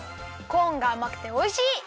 コーンがあまくておいしい！